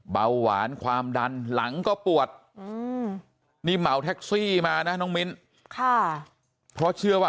เบาหวานความดันหลังก็ปวดนี่เหมาแท็กซี่มานะน้องมิ้นค่ะเพราะเชื่อว่า